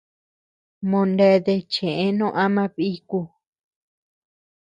Moneatea cheʼë no ama bíku.